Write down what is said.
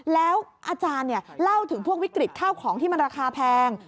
แล้วอาจารย์เล่าถึงพวกวิกฤตข้าวของที่มันราคาแพง